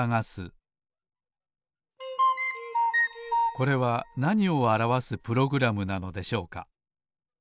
これはなにをあらわすプログラムなのでしょうか？